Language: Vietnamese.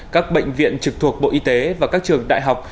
các bệnh viện trực thuộc bộ y tế và các trường đại học